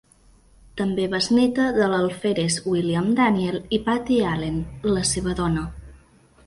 També besneta de l'alferes William Daniel i Pattie Allen, la seva dona.